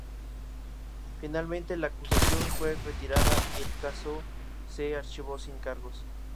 Finalmente la acusación fue retirada y el caso se archivó sin cargos.